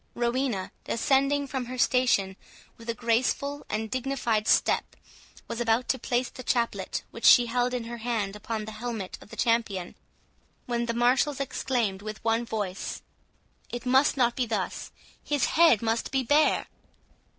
Rowena, descending from her station with a graceful and dignified step, was about to place the chaplet which she held in her hand upon the helmet of the champion, when the marshals exclaimed with one voice, "It must not be thus—his head must be bare."